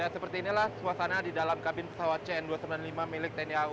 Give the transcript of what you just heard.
seperti inilah suasana di dalam kabin pesawat cn dua ratus sembilan puluh lima milik tni au